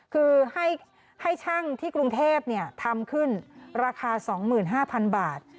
คือให้ช่างที่กรุงเทพทำขึ้นราคา๒๕๐๐๐บาท